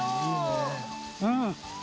うん！